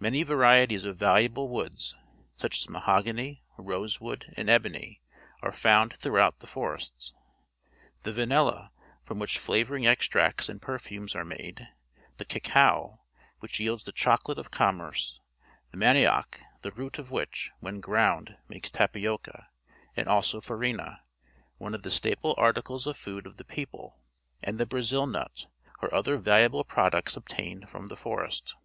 Many varieties of valuable woods, such as mahogany, rosewood, and ebony, are found throughout the forests. The vanilla, from which flavouring extracts and perfumes are made ; the cacao, wliich yields the cpcQa, and The Entrance to the Bay of Rio de Janeiro, chocolate of commerce; the manioc, the root of which, when ground, makes tapioca, and also farina, one of the staple articles of food of the people; and the Brazil nut, are other valuable products obtained from the forest.